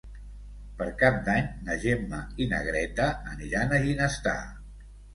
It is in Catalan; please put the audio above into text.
Per Cap d'Any na Gemma i na Greta aniran a Ginestar.